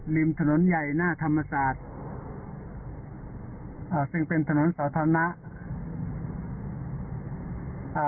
ริมถนนใหญ่หน้าธรรมศาสตร์อ่าซึ่งเป็นถนนสาธารณะอ่า